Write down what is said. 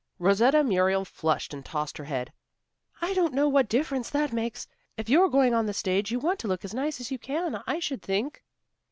Rosetta Muriel flushed and tossed her head. "I don't know what difference that makes. If you're going on the stage you want to look as nice as you can, I should think."